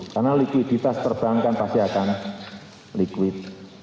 karena likuiditas perbankan pasti akan likuid